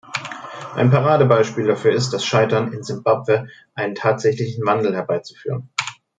Ein Paradebeispiel dafür ist das Scheitern, in Simbabwe einen tatsächlichen Wandel herbeizuführen.